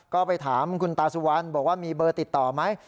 ก็ไปถามคุณตาสุวรรณบอกว่ามีเบอร์ติดต่อไหม